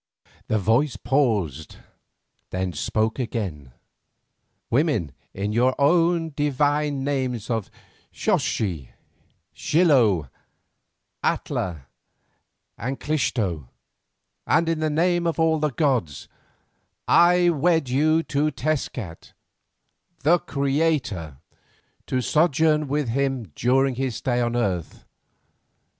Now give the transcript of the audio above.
The voice paused, then spoke again: "Women, in your own divine names of Xochi, Xilo, Atla, and Clixto, and in the name of all the gods, I wed you to Tezcat, the creator, to sojourn with him during his stay on earth.